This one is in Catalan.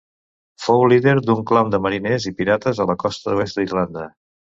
Fou líder d'un clan de mariners i pirates a la costa oest d'Irlanda.